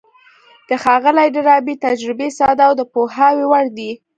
د ښاغلي ډاربي تجربې ساده او د پوهاوي وړ دي.